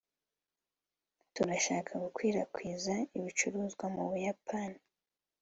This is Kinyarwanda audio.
turashaka gukwirakwiza ibicuruzwa mu buyapani. (apglopez